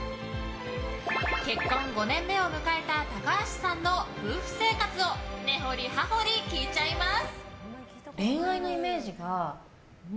結婚５年目を迎えた高橋さんの夫婦生活を根掘り葉掘り聞いちゃいます。